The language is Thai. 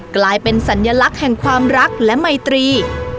กลายเป็นสัญลักษณ์แห่งความรักและไมตรี